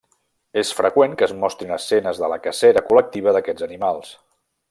És freqüent que es mostrin escenes de la cacera col·lectiva d'aquests animals.